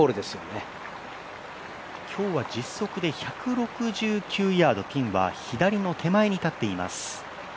今日は実測１６９ヤード、ピンは左の手前に立っています。